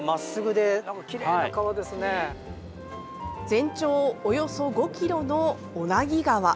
全長およそ５ｋｍの小名木川。